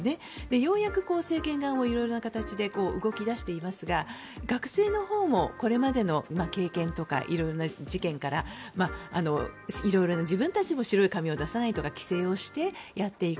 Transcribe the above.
ようやく政権側も色々な形で動き出していますが学生のほうもこれまでの経験とか色々な事件から自分たちも白い紙を出さないとか規制をしてやっていく。